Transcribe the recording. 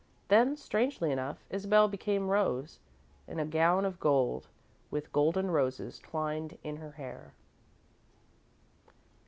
Then, strangely enough, Isabel became Rose, in a gown of gold, with golden roses twined in her hair.